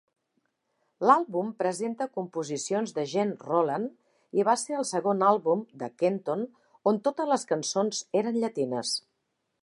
L'àlbum presenta composicions de Gene Roland i va ser el segon àlbum de Kenton on totes les cançons eren llatines.